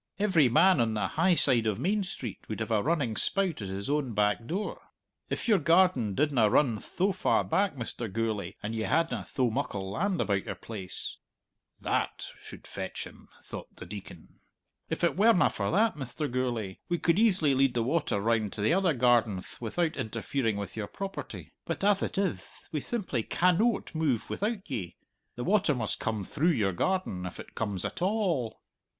Every man on the high side o' Main Street would have a running spout at his own back door! If your garden didna run tho far back, Mr. Gourlay, and ye hadna tho muckle land about your place" that should fetch him, thought the Deacon "if it werena for that, Mr. Gourlay, we could easily lead the water round to the other gardenth without interfering with your property. But, ath it ith, we simply can noat move without ye. The water must come through your garden, if it comes at a all."